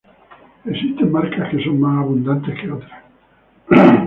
Existen marcas que son más abundantes que otras.